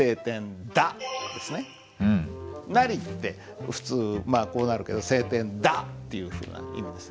「なり」って普通こうなるけど「晴天だ」というふうな意味です。